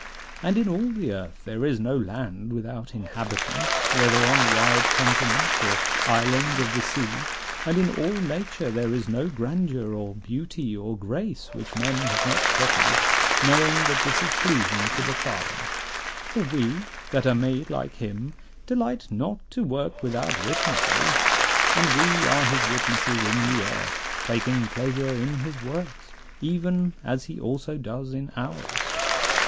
And in all the earth there is no land without inhabitants, whether on wide continents or islands of the sea; and in all nature there is no grandeur or beauty or grace which men have not copied; knowing that this is pleasing to the Father: for we, that are made like him, delight not to work without witnesses; and we are his witnesses in the earth, taking pleasure in his works, even as he also does in ours.